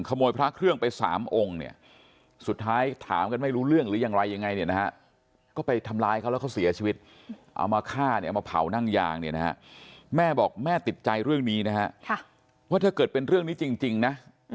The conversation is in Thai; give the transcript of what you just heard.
ถ้าเกิดเป็นเรื่องนี้จริงจริงนะ